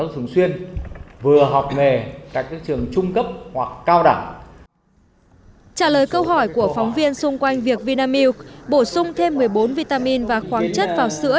trả lời câu hỏi của phóng viên xung quanh việc vinamilk bổ sung thêm một mươi bốn vitamin và khoáng chất vào sữa